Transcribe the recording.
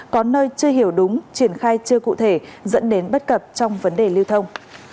có nơi chưa hiểu đúng triển khai chưa cụ thể dẫn đến bất cập trong vấn đề lưu thông